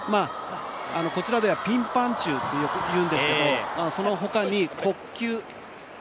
こちらではピンパンチュウって言うんですけどそのほかに、国球。